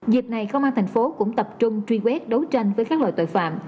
dịp này công an tp hcm cũng tập trung truy quét đấu tranh với các loại tội phạm